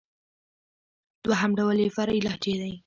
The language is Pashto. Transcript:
دوهم ډول ئې فرعي لهجې دئ.